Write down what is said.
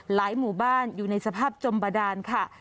หมู่บ้านอยู่ในสภาพจมบาดานค่ะ